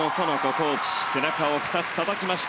コーチ背中を２つたたきました。